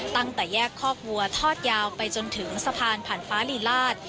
ตั้งแต่แยกคอกวัวทอดยาวไปจนถึงสะพานผ่านฟ้าลีลาศ